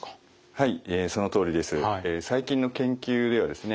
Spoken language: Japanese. はい。